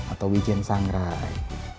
atau wijen sangrai